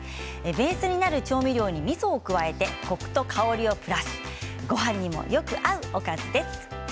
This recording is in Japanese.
ベースになる調味料にみそを加えてコクと香りをプラスごはんにもよく合うおかずです。